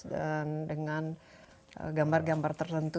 dan dengan gambar gambar tertentu